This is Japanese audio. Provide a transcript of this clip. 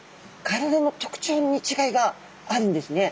体の特徴に違いがあるんですね。